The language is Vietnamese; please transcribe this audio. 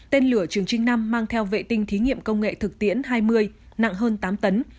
tên lửa trường trinh năm mang theo vệ tinh thí nghiệm công nghệ thực tiễn hai mươi nặng hơn tám tấn